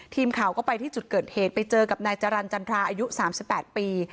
ทีมข่าวก็ไปที่จุดเกิดเหตุไปเจอกับนายจรรย์จันทราอายุ๓๘ปี